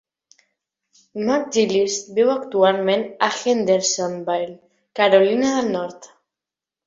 McGillis viu actualment a Hendersonville, Carolina del Nord.